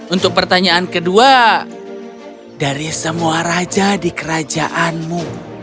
untuk pertanyaan kedua dari semua raja di kerajaanmu